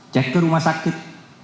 cek ke rumah sakit